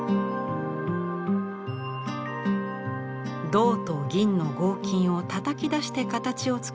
銅と銀の合金をたたき出して形を作り